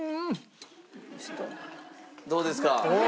どうですか？